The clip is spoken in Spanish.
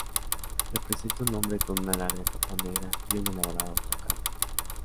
Representa a un hombre con una larga capa negra y un elaborado tocado.